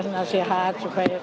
yang nasihatnya dari pak